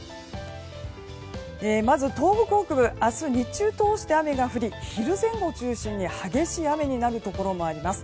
まず東北北部明日の日中通して雨が降り昼前後を中心に激しい雨になるところがあります。